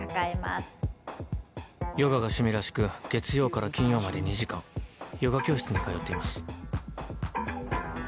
ヨガが趣味らしく月曜から金曜まで２時間ヨガ教室に通っています。